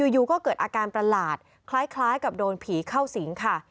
อยู่ก็เกิดอาการประหลาดคล้ายกับโดนผีเข้าสิงค่ะ